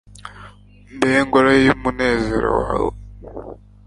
mbe ngoro y'umunezero wawe